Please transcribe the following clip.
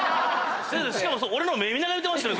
⁉先生しかも俺の目見ながら言うてましたよ